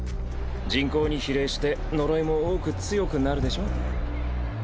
人口に比例して呪いも多く強くなるでしょ？